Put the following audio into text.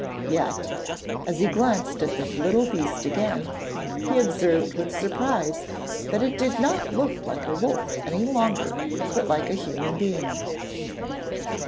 Yet, as he glanced at the little beast again, he observed with surprise that it did not look like a wolf any longer, but like a human being.